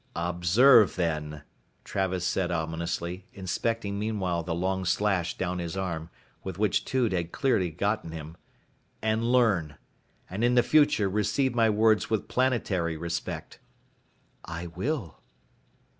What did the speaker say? "Observe then," Travis said ominously, inspecting meanwhile the long slash down his arm with which Tude had nearly gotten him "and learn. And in the future receive my words with planetary respect." "I will."